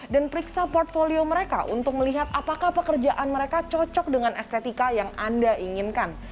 dan periksa portfolio mereka untuk melihat apakah pekerjaan mereka cocok dengan estetika yang anda inginkan